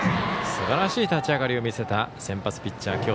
すばらしい立ち上がりを見せた先発ピッチャー